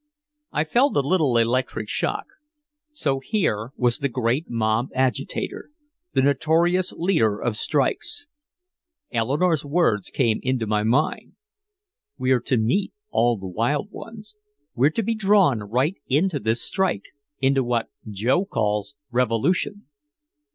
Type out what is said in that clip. I felt a little electric shock. So here was the great mob agitator, the notorious leader of strikes. Eleanore's words came into my mind: "We're to meet all the wild ones. We're to be drawn right into this strike into what Joe calls revolution."